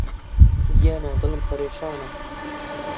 گیانە دڵم پەرێشانە